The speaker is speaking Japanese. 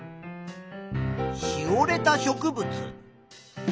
しおれた植物。